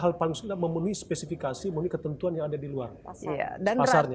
hal paling masing masing memenuhi spesifikasi memenuhi ketentuan yang ada di luar pasarnya